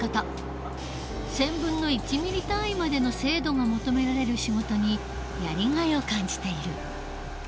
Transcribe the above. １０００分の１ミリ単位までの精度が求められる仕事にやりがいを感じている。